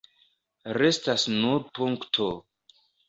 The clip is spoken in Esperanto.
Restas nur punkto.